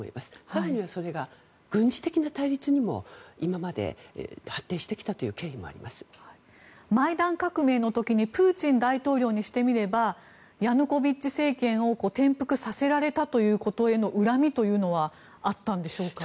更にはそれが軍事的な対立にも今まで発展してきたというマイダン革命の時にプーチン大統領にしてみればヤヌコビッチ政権を転覆させられたということへの恨みというのはあったんでしょうか？